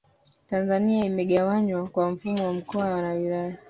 Tanzania imegawanywa kwa mfumo wa mkoa na wilaya